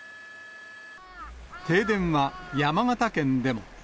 停電は山形県でも。